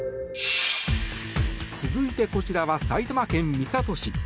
続いて、こちらは埼玉県三郷市。